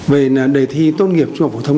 về đề thi tốt nghiệp trung học phổ thông